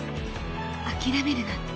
諦めるな。